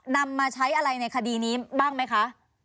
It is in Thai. นำมาใช้อะไรในคดีนี้บ้างไหมคะ